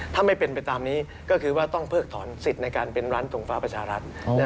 ถ้าไม่เป็นไปตามนี้ก็คือว่าต้องเพิกถอนสิทธิ์ในการเป็นร้านทงฟ้าประชารัฐ